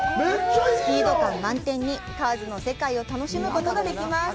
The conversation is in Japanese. スピード感満点に「カーズ」の世界を楽しむことができます。